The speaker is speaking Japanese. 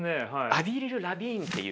アヴリル・ラヴィーンっていう。